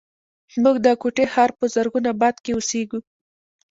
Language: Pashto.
موږ د کوټي ښار په زرغون آباد کښې اوسېږو